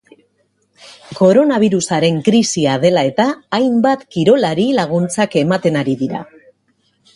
Koronabirusaren krisia dela eta hainbat kirolari laguntzak ematen ari dira.